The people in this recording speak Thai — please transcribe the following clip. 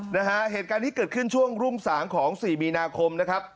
นะฮะเหตุการณ์นี้เกิดขึ้นช่วงรุ่งสางของสี่มีนาคมนะครับ